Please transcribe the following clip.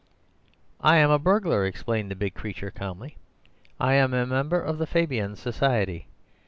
"'I am a burglar,' explained the big creature quite calmly. 'I am a member of the Fabian Society.